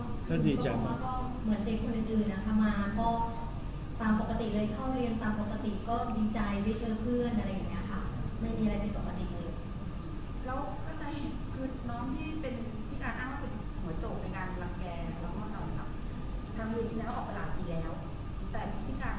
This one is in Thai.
เหมือนเด็กคนอื่นมาก็ตามปกติเลยเข้าเรียนตามปกติก็ดีใจได้เจอเพื่อนอะไรอย่างนี้ค่ะ